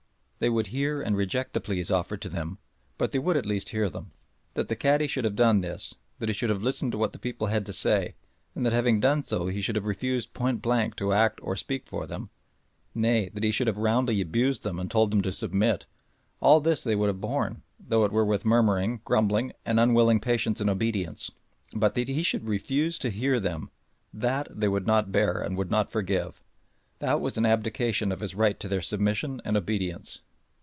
They would hear and reject the pleas offered to them, but they would at least hear them. That the Cadi should have done this, that he should have listened to what the people had to say, and that having done so he should have refused point blank to act or speak for them, nay, that he should have roundly abused them and told them to submit all this they would have borne, though it were with murmuring, grumbling, and unwilling patience and obedience but that he should refuse to hear them that they would not bear and would not forgive. That was an abdication of his right to their submission and obedience.